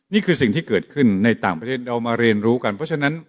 นี่คือสิ่งที่เกิดขึ้นในต่างประเทศเรามาเรียนรู้กันเพราะฉะนั้น